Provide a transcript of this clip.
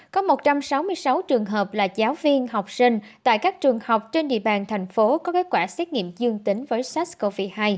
có một trăm sáu mươi sáu trường hợp là giáo viên học sinh tại các trường học trên địa bàn thành phố có kết quả xét nghiệm dương tính với sars cov hai